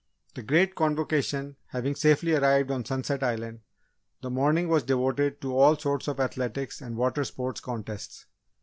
The Great Convocation having safely arrived on Sunset Island, the morning was devoted to all sorts of athletics and water sport contests.